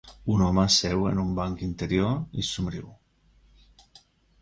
Un home seu en un banc interior i somriu.